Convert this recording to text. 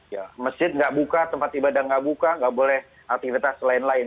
ya masjid nggak buka tempat ibadah nggak buka nggak boleh aktivitas lain lain